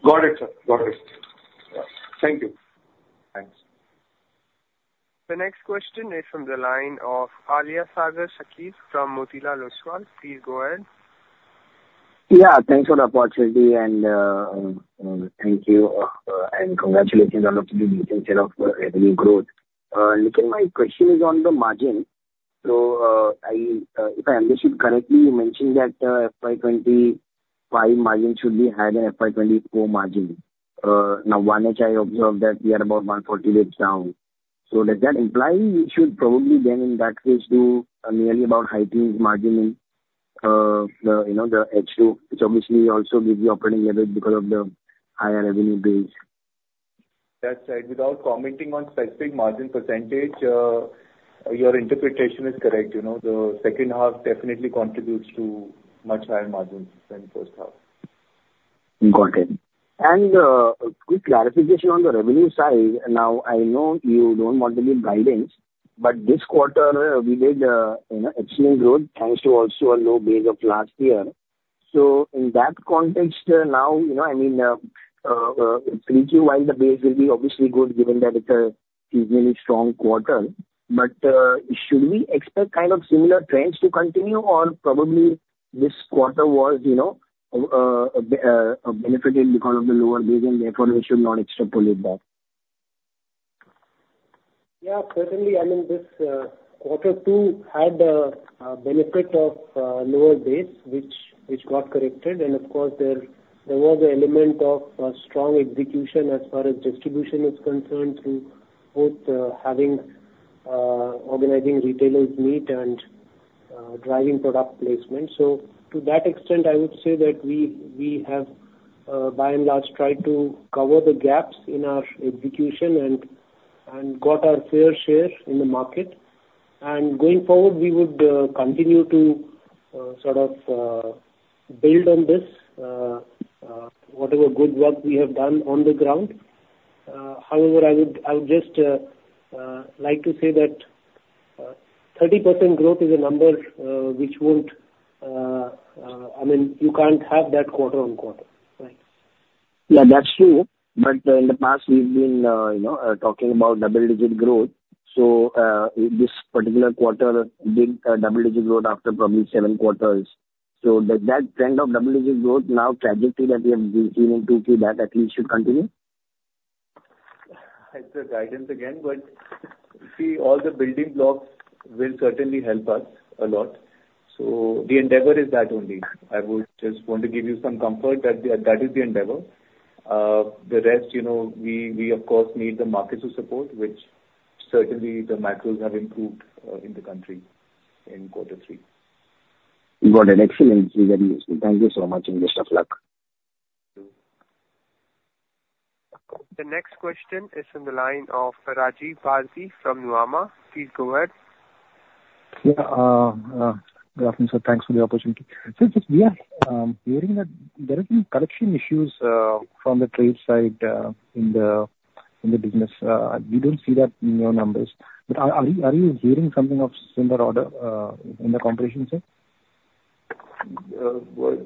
Got it, sir. Got it. Thank you. Thanks. The next question is from the line of Aliasgar Shakir from Motilal Oswal. Please go ahead. Yeah. Thanks for the opportunity, and thank you, and congratulations on beating the revenue growth. My question is on the margin, so if I understood correctly, you mentioned that FY25 margin should be higher than FY24 margin. Now, in H1 we observed that we are about 140 days down, so does that imply we should probably, then, in that case, have about high-teens margin in the H2, which obviously also gives the operating leverage because of the higher revenue base? That's right. Without commenting on specific margin percentage, your interpretation is correct. The second half definitely contributes to much higher margins than first half. Got it. And a quick clarification on the revenue side. Now, I know you don't want to give guidance, but this quarter, we did excellent growth thanks to also a low base of last year. So in that context, now, I mean, thinking while the base will be obviously good, given that it's a seasonally strong quarter, but should we expect kind of similar trends to continue or probably this quarter was benefited because of the lower base and therefore we should not extrapolate that? Yeah. Certainly. I mean, this quarter two had the benefit of lower base, which got corrected. And of course, there was an element of strong execution as far as distribution is concerned through both having organizing retailers meet and driving product placement. So to that extent, I would say that we have, by and large, tried to cover the gaps in our execution and got our fair share in the market. And going forward, we would continue to sort of build on this, whatever good work we have done on the ground. However, I would just like to say that 30% growth is a number which won't I mean, you can't have that quarter on quarter, right? Yeah, that's true. But in the past, we've been talking about double-digit growth. So this particular quarter did double-digit growth after probably seven quarters. So does that trend of double-digit growth now trajectory that we have been seeing in Q2, that at least should continue? It's a guidance again, but see, all the building blocks will certainly help us a lot. So the endeavor is that only. I would just want to give you some comfort that that is the endeavor. The rest, we, of course, need the markets to support, which certainly the macros have improved in the country in quarter three. Got it. Excellent. Very useful. Thank you so much. And best of luck. You too. The next question is from the line of Rajiv Bharati from Nuvama. Please go ahead. Yeah. Good afternoon, sir. Thanks for the opportunity. Since we are hearing that there have been correction issues from the trade side in the business. We don't see that in your numbers. But are you hearing something of similar order in the competition, sir?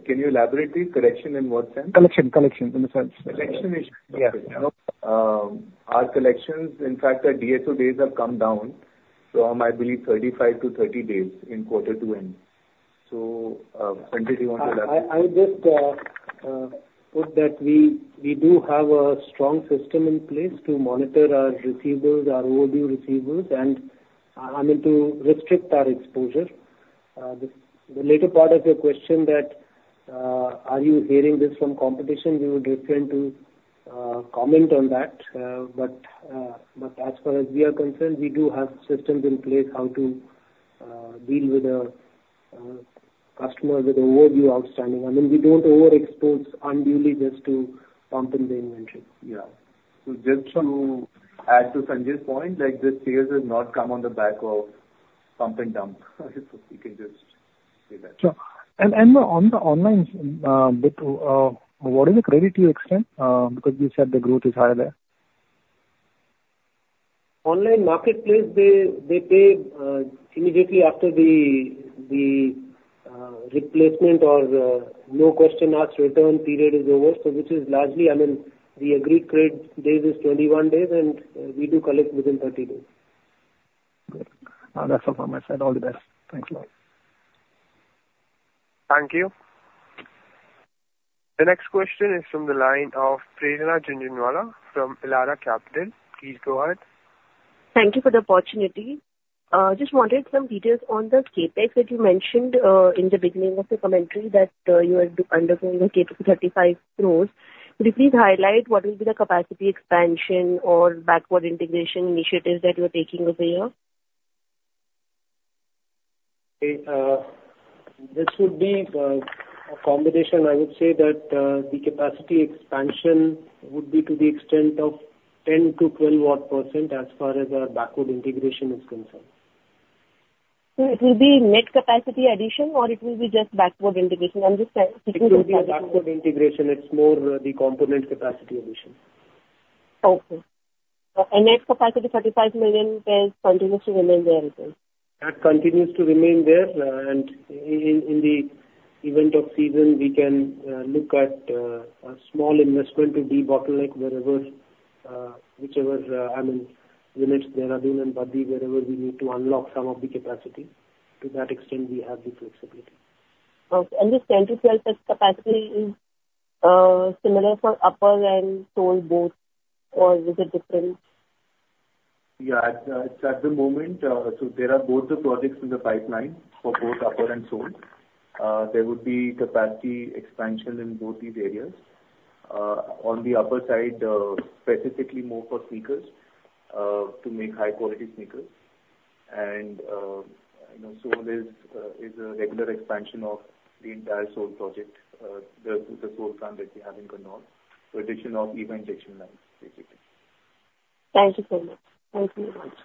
Can you elaborate the correction in what sense? Collection. Collection in the sense. Collection issues. Yeah. Our collections, in fact, our DSO days have come down from, I believe, 35 to 30 days in quarter to end. So Sanjay, do you want to elaborate? I'll just put that we do have a strong system in place to monitor our receivables, our OOB receivables, and I mean, to restrict our exposure. The latter part of your question, that are you hearing this from competition, we would refrain from commenting on that. But as far as we are concerned, we do have systems in place how to deal with a customer with OOB outstanding. I mean, we don't overexpose unduly just to pump in the inventory. Yeah, so just to add to Sanjay's point, the sales have not come on the back of pump and dump. You can just say that. Sure. On the online bit, what is the credit to your extent? Because you said the growth is higher there. Online marketplace, they pay immediately after the replacement or no-questions-asked return period is over. So which is largely, I mean, the agreed credit days is 21 days, and we do collect within 30 days. Good. That's all from my side. All the best. Thanks a lot. Thank you. The next question is from the line of Prerna Jhunjhunwala from Elara Capital. Please go ahead. Thank you for the opportunity. I just wanted some details on the CapEx that you mentioned in the beginning of the commentary that you are undergoing a CapEx 35% growth. Could you please highlight what will be the capacity expansion or backward integration initiatives that you are taking over here? This would be a combination. I would say that the capacity expansion would be to the extent of 10%-12%-odd as far as our backward integration is concerned. So it will be net capacity addition, or it will be just backward integration? I'm just speaking to the audience. It's not backward integration. It's more the component capacity addition. Okay. And net capacity 35 million pairs continues to remain there as well? That continues to remain there. And in the event of season, we can look at a small investment to debottleneck it wherever, whichever, I mean, units there are doing in Baddi, wherever we need to unlock some of the capacity. To that extent, we have the flexibility. Okay. And this 22 lakhs capacity is similar for upper and sole both, or is it different? Yeah. It's at the moment. So there are both the projects in the pipeline for both upper and sole. There would be capacity expansion in both these areas. On the upper side, specifically more for sneakers to make high-quality sneakers. And so there's a regular expansion of the entire sole project, the sole plant that we have in Ganaur, so addition of even injection lines, basically. Thank you so much. Thank you very much.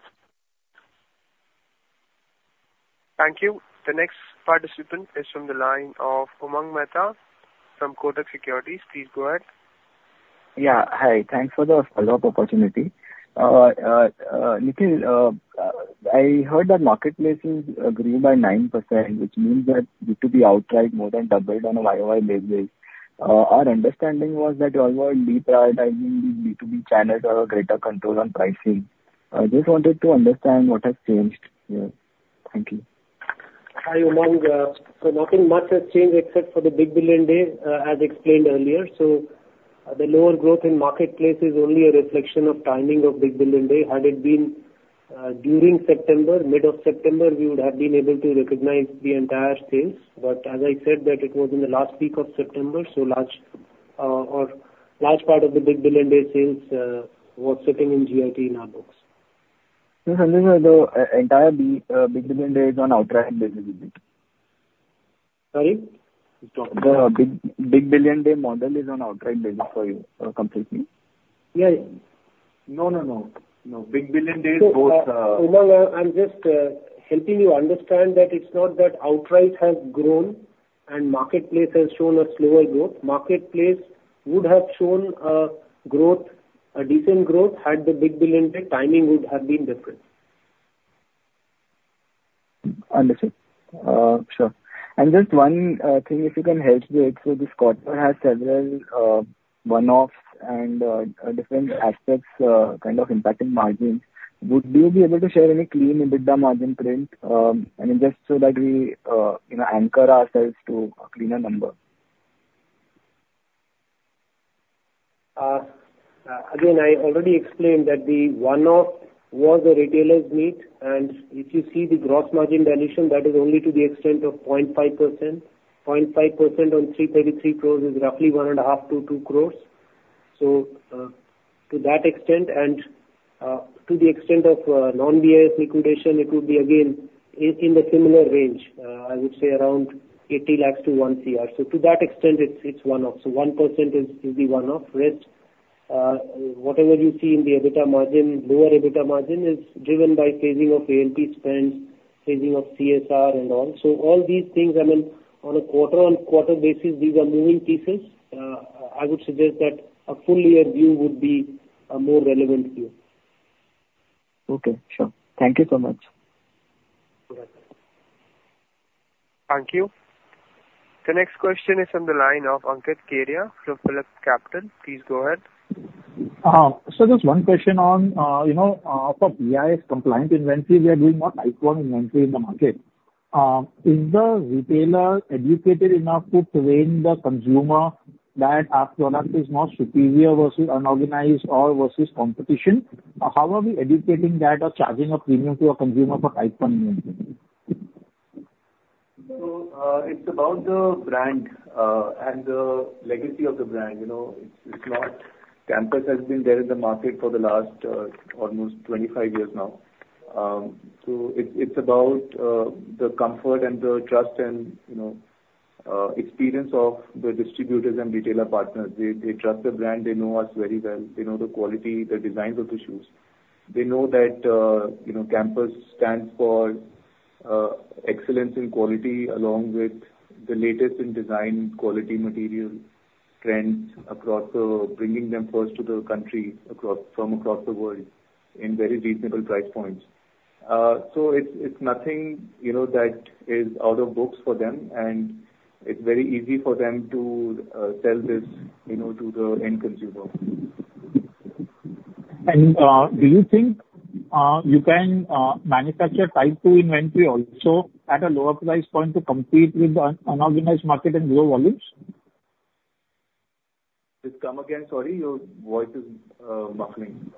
Thank you. The next participant is from the line of Umang Mehta from Kotak Securities. Please go ahead. Yeah. Hi. Thanks for the follow-up opportunity. Nikhil, I heard that marketplaces grew by 9%, which means that B2B outright more than doubled on a YOY basis. Our understanding was that you all were deprioritizing the B2B channels or a greater control on pricing. I just wanted to understand what has changed here. Thank you. Hi, Umang. Nothing much has changed except for the Big Billion Days, as explained earlier. The lower growth in marketplace is only a reflection of timing of Big Billion Days. Had it been during September, mid of September, we would have been able to recognize the entire sales. As I said, that it was in the last week of September, so large part of the Big Billion Days sales was sitting in GIT in our books. So Sanjay, the entire Big Billion Days is on outright basis, is it? Sorry? The Big Billion Days model is on outright basis for you completely? Yeah. No, no, no. No. Big Billion Days is both. I'm just helping you understand that it's not that outright has grown and marketplace has shown a slower growth. Marketplace would have shown a growth, a decent growth had the Big Billion Days. Timing would have been different. Understood. Sure. And just one thing, if you can help with it. So this quarter has several one-offs and different aspects kind of impacting margins. Would you be able to share any clean EBITDA margin print? I mean, just so that we anchor ourselves to a cleaner number. Again, I already explained that the one-off was a retailers meet. And if you see the gross margin dilution, that is only to the extent of 0.5%. 0.5% on 333 crores is roughly 1.5 crore-2 crores. So to that extent and to the extent of non-BIS liquidation, it would be, again, in the similar range. I would say around 80 lakhs-1 crore. So to that extent, it is one-off. So 1% is the one-off. Rest, whatever you see in the EBITDA margin, lower EBITDA margin is driven by phasing of A&P spends, phasing of CSR, and all. So all these things, I mean, on a quarter-on-quarter basis, these are moving pieces. I would suggest that a full year view would be a more relevant view. Okay. Sure. Thank you so much. Thank you. The next question is from the line of Ankit Kedia from PhillipCapital. Please go ahead. Just one question on the BIS compliant inventory. We are doing more Type 2 inventory in the market. Is the retailer educated enough to train the consumer that our product is more superior versus unorganized or versus competition? How are we educating that or charging a premium to a consumer for Type 2 inventory? So it's about the brand and the legacy of the brand. It's not. Campus has been there in the market for the last almost 25 years now. So it's about the comfort and the trust and experience of the distributors and retailer partners. They trust the brand. They know us very well. They know the quality, the designs of the shoes. They know that Campus stands for excellence in quality along with the latest in design quality material trends across the bringing them first to the country from across the world in very reasonable price points. So it's nothing that is out of books for them, and it's very easy for them to sell this to the end consumer. Do you think you can manufacture Type 2 inventory also at a lower price point to compete with the unorganized market and grow volumes? Just come again. Sorry. Your voice is muffling.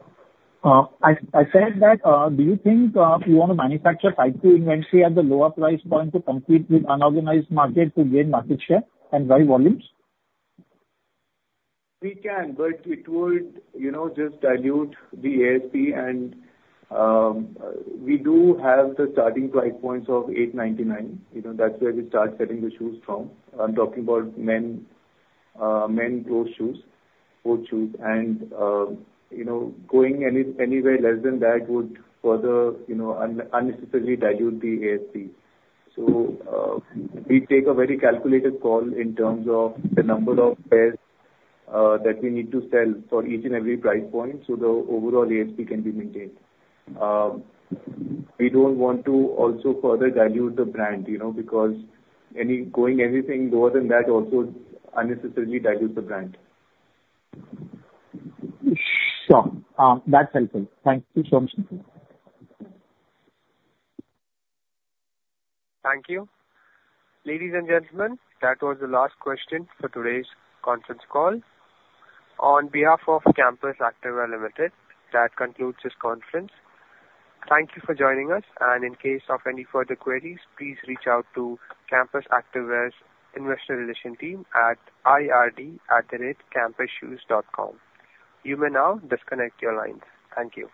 I said that, do you think you want to manufacture Type 2 inventory at the lower price point to compete with unorganized market to gain market share and drive volumes? We can, but it would just dilute the ASP. And we do have the starting price points of 899. That's where we start selling the shoes from. I'm talking about men's casual shoes, sports shoes. And going anywhere less than that would further unnecessarily dilute the ASP. So we take a very calculated call in terms of the number of pairs that we need to sell for each and every price point so the overall ASP can be maintained. We don't want to also further dilute the brand because going anything lower than that also unnecessarily dilutes the brand. Sure. That's helpful. Thank you so much. Thank you. Ladies and gentlemen, that was the last question for today's conference call. On behalf of Campus Activewear Limited, that concludes this conference. Thank you for joining us. And in case of any further queries, please reach out to Campus Activewear's investor relation team at ird@campusshoes.com. You may now disconnect your line. Thank you.